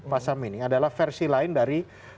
pasal ini adalah versi lain dari